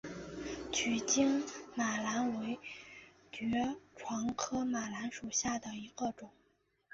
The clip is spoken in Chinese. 曲茎马蓝为爵床科马蓝属下的一个种。